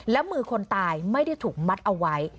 และมือคนตายไม่ได้ถูกมัดเอาไว้